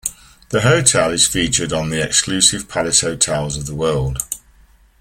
The Hotel is featured on the exclusive Palace Hotels of the World.